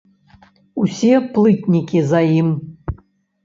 Усе плытнікі за ім.